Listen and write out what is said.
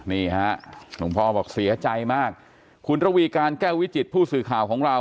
นี่ฮะหลวงพ่อบอกเสียใจมากคุณระวีการแก้ววิจิตผู้สื่อข่าวของเรา